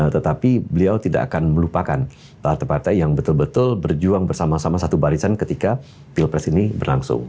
tetapi beliau tidak akan melupakan partai partai yang betul betul berjuang bersama sama satu barisan ketika pilpres ini berlangsung